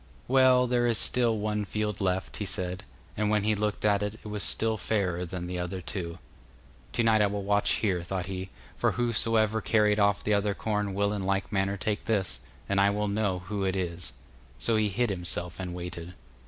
'Well, there is still one field left,' he said, and when he looked at it, it was still fairer than the other two. 'To night I will watch here,' thought he, 'for whosoever carried off the other corn will in like manner take this, and I will know who it is.' So he hid himself and waited.